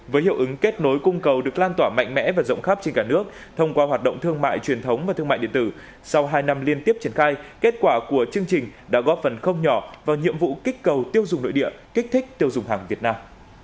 với hiệu ứng kết nối cung cầu được lan tỏa mạnh mẽ và rộng khắp trên cả nước thông qua hoạt động thương mại truyền thống và thương mại điện tử sau hai năm liên tiếp triển khai kết quả của chương trình đã góp phần không nhỏ vào nhiệm vụ kích cầu tiêu dùng nội địa kích thích tiêu dùng hàng việt nam